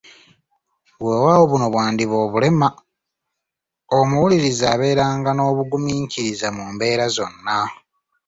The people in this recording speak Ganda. Weewaawo buno bwandiba obulema ,omuwuliriza abeerenga n’obugumiikiriza mu mbeera zonna .